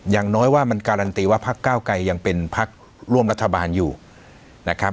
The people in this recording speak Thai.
อย่างน้อยว่ามันการันตีว่าพักเก้าไกรยังเป็นพักร่วมรัฐบาลอยู่นะครับ